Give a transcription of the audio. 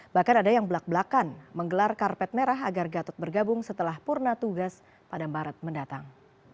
bahkan ada yang belak belakan menggelar karpet merah agar gatot bergabung setelah purna tugas pada maret mendatang